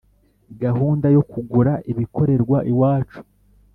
Gahunda yo kugura ibikorerwa iwacu